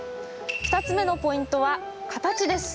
２つ目のポイントは形です。